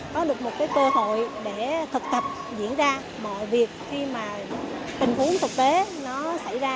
có được một cơ hội để thực tập diễn ra mọi việc khi mà tình huống thực tế nó xảy ra